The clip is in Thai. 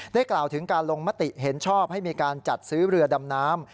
กล่าวถึงการลงมติเห็นชอบให้มีการจัดซื้อเรือดำน้ำ